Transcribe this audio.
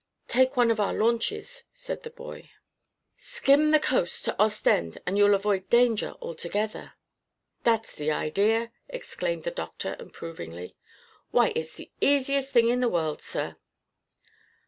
"Take one of our launches," said the boy. "Skim the coast to Ostend, and you'll avoid danger altogether." "That's the idea!" exclaimed the doctor approvingly. "Why, it's the easiest thing in the world, sir."